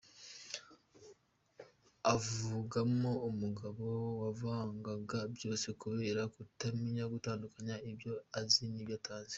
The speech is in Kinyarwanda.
Avugamo umugabo wavangaga byose kubera kutamenya gutandukanya ibyo azi n’ibyo atazi.